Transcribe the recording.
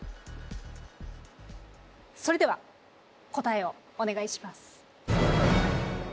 それでは答えをお願いします。